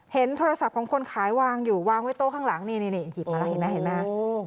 โทรศัพท์ของคนขายวางอยู่วางไว้โต๊ะข้างหลังนี่หยิบมาแล้วเห็นไหมเห็นไหม